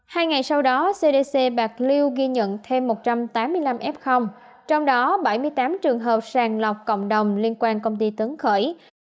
hai ngày sau đó cdc bạc liêu ghi nhận thêm một trăm tám mươi năm f trong đó bảy mươi tám trường hợp sàng lọc cộng đồng liên quan công ty tấn khởi